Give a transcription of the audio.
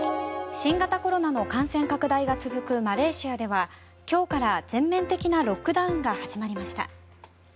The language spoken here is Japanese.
新型コロナの感染拡大が続くマレーシアでは今日から全面的なロックダウンが始まりました。